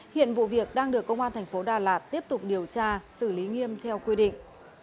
hiện vụ việc đang được công an thành phố đà lạt tiếp tục điều tra xử lý nghiêm theo quy định